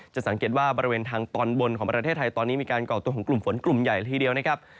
สังเกตว่าบริเวณทางตอนบนของประเทศไทยตอนนี้มีการก่อตัวของกลุ่มฝนกลุ่มใหญ่ละทีเดียวนะครับ